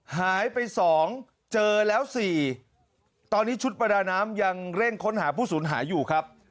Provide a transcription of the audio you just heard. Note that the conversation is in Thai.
หายไป๒เจอแล้ว๔ตอนนี้ชุดประดาน้ำยังเร่งค้นหาผู้สูญหายอยู่ครับ